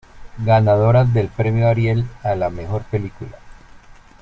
Ganadora del premio ariel a la mejor película.